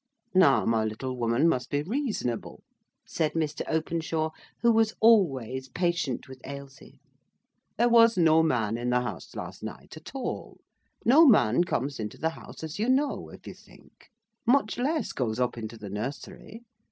"Now, my little woman must be reasonable," said Mr. Openshaw, who was always patient with Ailsie. "There was no man in the house last night at all. No man comes into the house as you know, if you think; much less goes up into the nursery.